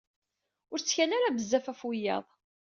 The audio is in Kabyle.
Ur ttkal ara bezzaf ɣef wiyaḍ.